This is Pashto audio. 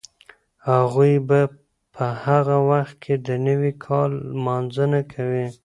هغوی به په هغه وخت کې د نوي کال لمانځنه کوي.